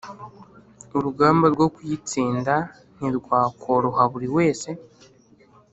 urugamba rwo kuyitsinda ntirwakoroha buri wese